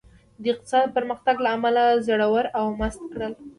د اقتصادي پرمختګونو له امله زړور او مست کړل.